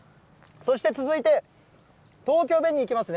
そして続いて、東京紅、いきますね。